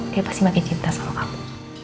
dia pasti makin cinta sama kamu